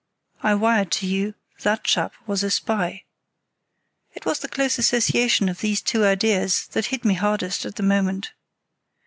"I wired to you—that chap was a spy." It was the close association of these two ideas that hit me hardest at the moment.